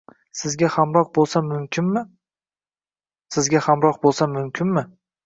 Sizga hamroh bo’lsam mumkinmi?